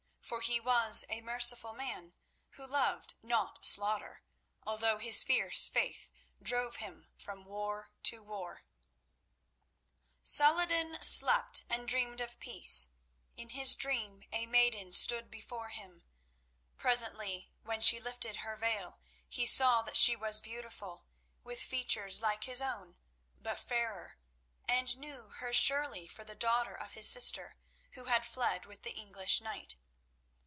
For he was a merciful man, who loved not slaughter, although his fierce faith drove him from war to war. Holy War Salah ed din slept and dreamed of peace. In his dream a maiden stood before him. Presently, when she lifted her veil, he saw that she was beautiful, with features like his own, but fairer, and knew her surely for the daughter of his sister who had fled with the English knight.